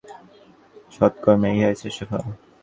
সৎ কর্মের ইহাই শ্রেষ্ঠ ফল।